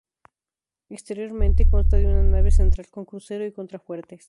Exteriormente consta de una nave central con crucero y contrafuertes.